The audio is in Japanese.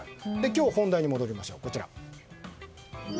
今日の本題に戻りましょう。